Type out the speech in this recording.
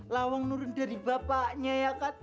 lawang nurun dari bapaknya ya kan